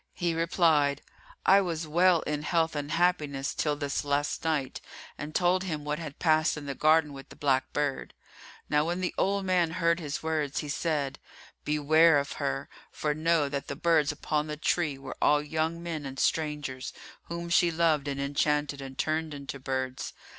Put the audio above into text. He replied, "I was well in health and happiness till this last night," and told him what had passed in the garden with the black bird.[FN#342] Now when the old man heard his words, he said, "Beware of her, for know that the birds upon the tree were all young men and strangers, whom she loved and enchanted and turned into birds.